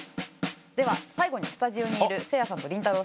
では最後にスタジオにいるせいやさんとりんたろー。